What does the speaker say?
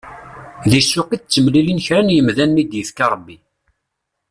Deg ssuq i d-ttemlilin kra n yimdanen i d-yefka Rebbi.